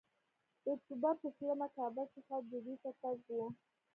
د اکتوبر پر شلمه کابل څخه دوبۍ ته تګ و.